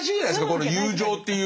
この友情っていう。